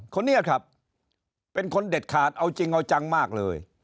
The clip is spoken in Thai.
คนนี้ครับเป็นคนเด็ดขาดเอาจริงเอาจังมากเลย